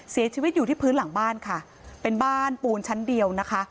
เสียชีวิตอยู่ที่พื้นหลังบ้านค่ะเป็นบ้านปูนชั้นเดียวนะคะ